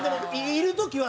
いる時は。